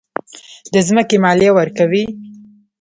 د ځمکې مالیه ورکوئ؟